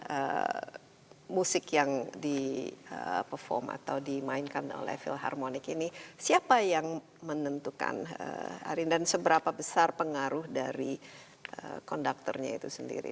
dari musik yang di perform atau dimainkan oleh philharmonic ini siapa yang menentukan arin dan seberapa besar pengaruh dari konduktornya itu sendiri